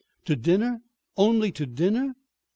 "To dinner! Only to dinner?"